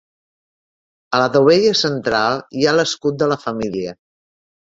A la dovella central hi ha l'escut de la família.